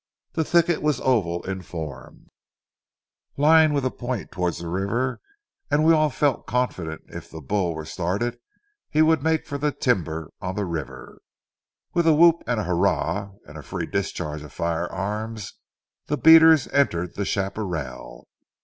The thicket was oval in form, lying with a point towards the river, and we all felt confident if the bull were started he would make for the timber on the river. With a whoop and hurrah and a free discharge of firearms, the beaters entered the chaparral.